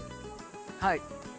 はい。